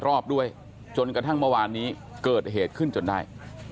รอบด้วยจนกระทั่งเมื่อวานนี้เกิดเหตุขึ้นจนได้